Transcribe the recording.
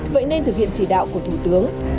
vậy nên thực hiện chỉ đạo của thủ tướng nguyễn văn nguyễn